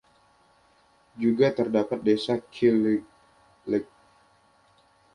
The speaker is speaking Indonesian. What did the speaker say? Juga terdapat desa Killyleagh.